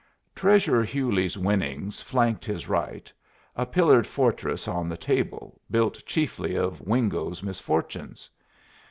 Treasurer Hewley's winnings flanked his right, a pillared fortress on the table, built chiefly of Wingo's misfortunes.